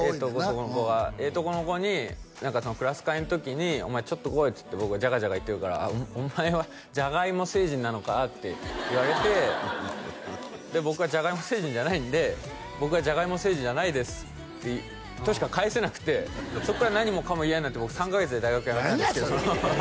この子がええとこの子に何かクラス会の時にお前ちょっと来いっつって僕が「じゃがじゃが」言ってるからお前はじゃがいも星人なのか？って言われてで僕はじゃがいも星人じゃないんで僕はじゃがいも星人じゃないですとしか返せなくてそっから何もかも嫌になって僕３カ月で大学やめたんですけど何やそれ！